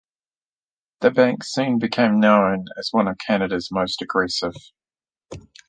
The bank soon became known as one of Canada's most aggressive.